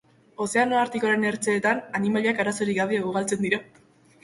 Ozeano Artikoaren ertzeetan, animaliak arazorik gabe ugaltzen dira.